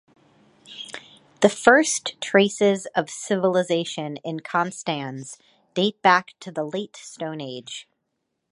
The first traces of civilization in Konstanz date back to the late Stone Age.